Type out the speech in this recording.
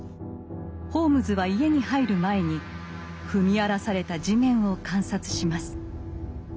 ホームズは家に入る前に踏み荒らされた地面を観察します。